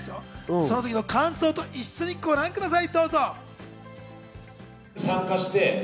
その時の感想と一緒にご覧ください。